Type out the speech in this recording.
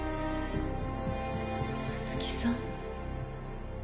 五月さん？